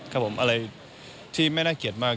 ครับผมอะไรที่ไม่น่าเกลียดมาก